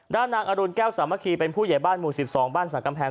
นางอรุณแก้วสามัคคีเป็นผู้ใหญ่บ้านหมู่๑๒บ้านสรรกำแพง